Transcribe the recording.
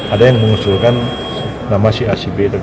ada yang mengusirkan nama si acb itu